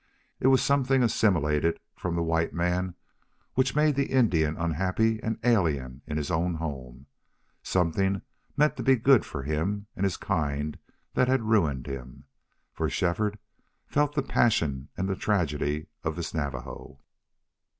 It was something assimilated from the white man which made the Indian unhappy and alien in his own home something meant to be good for him and his kind that had ruined him. For Shefford felt the passion and the tragedy of this Navajo.